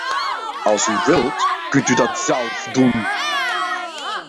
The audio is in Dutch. Als u wilt, kunt u dat zelf doen.